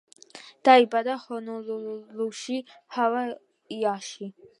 დაიბადა ჰონოლულუში, ჰავაიში.